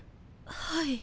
はい。